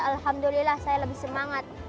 alhamdulillah saya lebih semangat